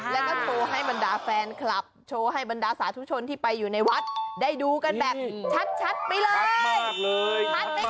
แล้วก็โชว์ให้บรรดาแฟนคลับโชว์ให้บรรดาสาธุชนที่ไปอยู่ในวัดได้ดูกันแบบชัดไปเลย